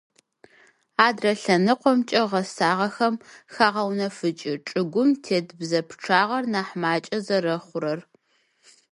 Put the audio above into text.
Адрэ лъэныкъомкӏэ - гъэсагъэхэм хагъэунэфыкӏы чӏыгум тет бзэ пчъагъэр нахь макӏэ зэрэхъурэр.